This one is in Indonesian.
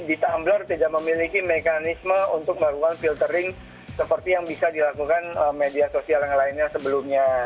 jadi tumbler tidak memiliki mekanisme untuk melakukan filtering seperti yang bisa dilakukan media sosial yang lainnya sebelumnya